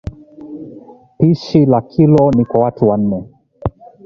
Pishi la kilo ni kwa watu nne